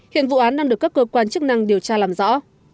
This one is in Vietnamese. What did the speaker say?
hiện vụ án đang được các cơ quan chức năng điều tra làm rõ